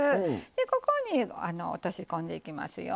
ここに落とし込んでいきますよ。